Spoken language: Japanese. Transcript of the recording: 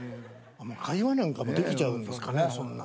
会話なんかもできちゃうんですかね。